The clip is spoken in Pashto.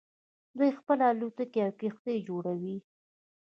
دوی خپله الوتکې او کښتۍ جوړوي.